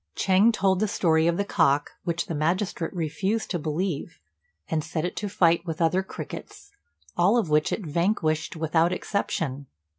Ch'êng told the story of the cock, which the magistrate refused to believe, and set it to fight with other crickets, all of which it vanquished without exception.